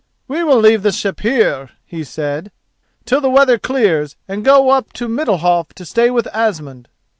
"We will leave the ship here," he said, "till the weather clears, and go up to Middalhof to stay with Asmund."